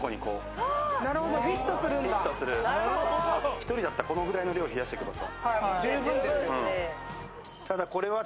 １人だったらこのぐらいの量冷やしとけばさ。